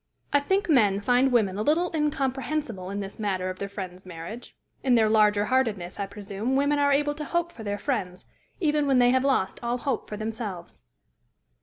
I think men find women a little incomprehensible in this matter of their friends' marriage: in their largerheartedness, I presume, women are able to hope for their friends, even when they have lost all hope for themselves.